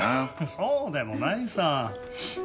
そうでもないさ。